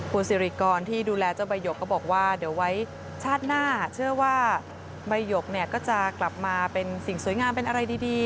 คุณสิริกรที่ดูแลเจ้าใบหยกก็บอกว่าเดี๋ยวไว้ชาติหน้าเชื่อว่าใบหยกเนี่ยก็จะกลับมาเป็นสิ่งสวยงามเป็นอะไรดี